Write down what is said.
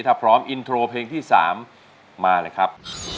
ถ้าพร้อมอินโทรเพลงที่๓มาเลยครับ